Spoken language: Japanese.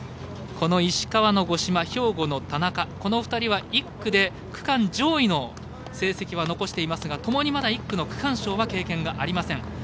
この石川の五島、兵庫の田中１区で区間上位の記録残していますがともにまだ１区の区間賞は経験がありません。